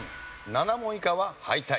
７問以下は敗退。